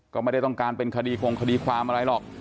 ก็ไม่ได้ต้องการเป็นคดีคงคดีความอะไรหรอก